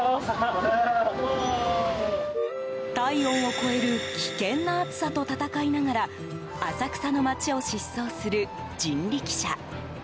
体温を超える危険な暑さと闘いながら浅草の街を疾走する人力車。